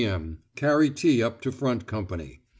m. Carry tea up to front company.